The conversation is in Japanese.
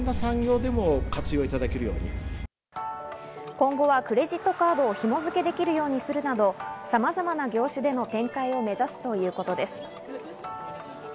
今後はクレジットカードをひもづけできるようにするなど様々な業種での展開を目指すということです。